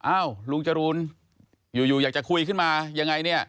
ลุงจรูนอยู่อยากจะคุยขึ้นมายังไงเนี่ย